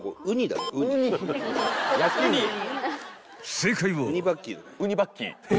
［正解は］